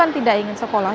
tidak ingin sekolah